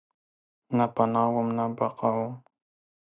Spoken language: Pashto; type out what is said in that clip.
نه پناه وم ، نه بقاوم